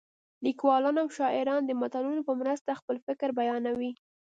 لیکوالان او شاعران د متلونو په مرسته خپل فکر بیانوي